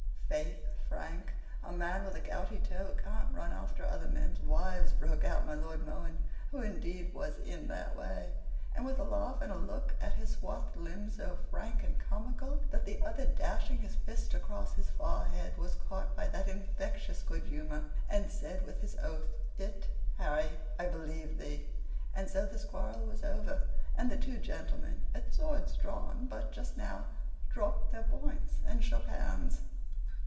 "'Faith, Frank, a man with a gouty toe can't run after other men's wives," broke out my Lord Mohun, who indeed was in that way, and with a laugh and a look at his swathed limb so frank and comical, that the other dashing his fist across his forehead was caught by that infectious good humor, and said with his oath, " it, Harry, I believe thee," and so this quarrel was over, and the two gentlemen, at swords drawn but just now, dropped their points, and shook hands.